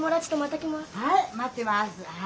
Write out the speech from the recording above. はい待ってます。